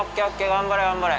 頑張れ頑張れ。